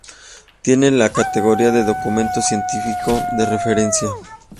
Tiene la categoría de documento científico de referencia.